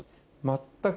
全く。